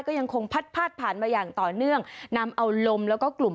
ก็ยังคงพัดพาดผ่านมาอย่างต่อเนื่องนำเอาลมแล้วก็กลุ่ม